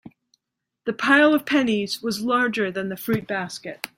The pile of pennies was larger than the fruit basket.